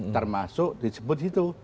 termasuk disebut itu